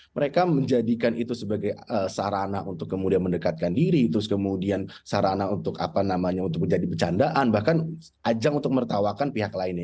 mereka menjadikan itu sebagai sarana untuk kemudian mendekatkan diri terus kemudian sarana untuk apa namanya untuk menjadi pecandaan bahkan ajang untuk mertawakan pihak lainnya